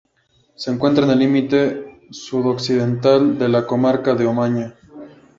Se encuentra en el límite sudoccidental de la comarca de Omaña.